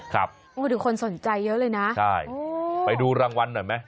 ดูคนสนใจเยอะเลยนะใช่ไปดูรางวัลหน่อยไหม